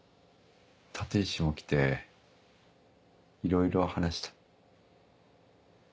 立石も来ていろいろ話した。